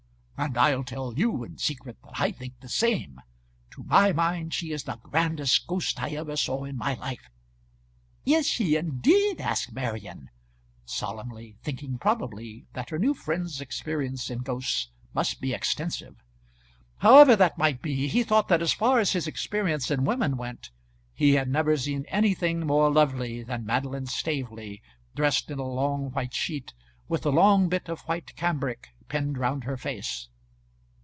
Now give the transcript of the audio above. "And I'll tell you in a secret that I think the same. To my mind she is the grandest ghost I ever saw in my life." "Is she indeed?" asked Marian, solemnly, thinking probably that her new friend's experience in ghosts must be extensive. However that might be, he thought that as far as his experience in women went, he had never seen anything more lovely than Madeline Staveley dressed in a long white sheet, with a long bit of white cambric pinned round her face.